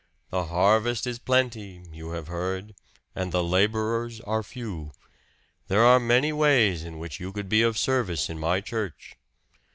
The harvest is plenty, you have heard, and the laborers are few. There are many ways in which you could be of service in my church."